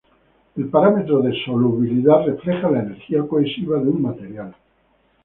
El parámetro de solubilidad refleja la energía cohesiva de un material.